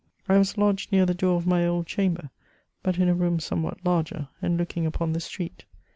I was lodged near the * door of my old chamber, but in a room somewhat larger, and looking upon the street.